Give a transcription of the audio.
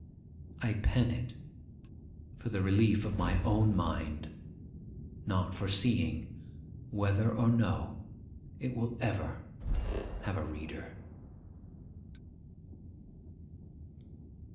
I pen it for the relief of my own mind, not foreseeing whether or no it will ever have a reader.